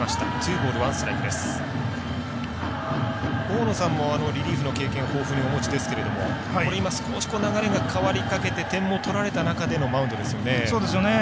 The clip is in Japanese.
大野さんもリリーフの経験、豊富にお持ちですけれども今、少し流れが変わりかけて点も取られた中でのマウンドですよね。